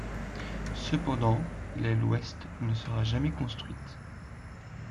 Cependant, l'aile ouest ne sera jamais construite.